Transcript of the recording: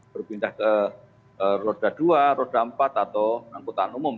berpindah ke roda dua roda empat atau angkutan umum